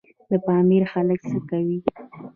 د پامیر خلک څه کوي؟